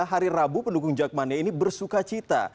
hari rabu pendukung jackmania ini bersuka cita